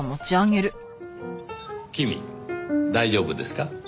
君大丈夫ですか？